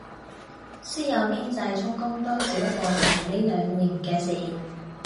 私有經濟充公都只不過係呢兩年嘅事